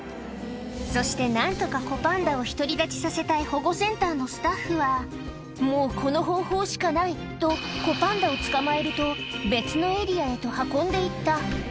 そして、なんとか子パンダを独り立ちさせたい保護センターのスタッフは、もうこの方法しかないと、子パンダを捕まえると、別のエリアへと運んでいった。